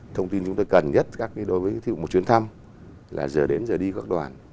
thông tin chúng tôi cần nhất đối với một chuyến thăm là giờ đến giờ đi các đoàn